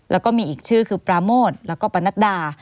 แล้วก็มีอีกชื่อคือปราโมทแล้วก็ปนัดดา